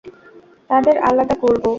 তাদের আলাদা করব।